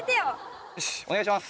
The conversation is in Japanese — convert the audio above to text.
よしお願いします。